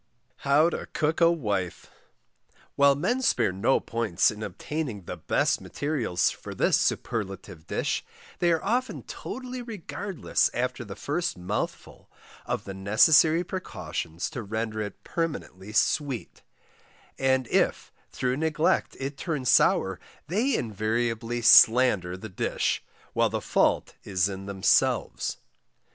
HOW TO COOK A WIFE. While MEN spare no pains in obtaining the BEST MATERIALS for this superlative DISH, they are often totally regardless after the first MOUTHFUL, of the necessary precautions to render it permanently SWEET, and if through neglect it turn sour they invariably slander the Dish, while the fault is in themselves.